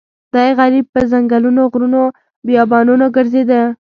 دی غریب په ځنګلونو غرونو بیابانونو ګرځېده.